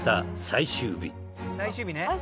最終日ね。